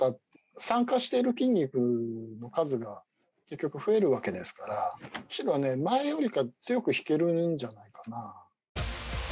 参加している筋肉の数が増えるわけですからむしろ、前よりか強く引けるんじゃないかな？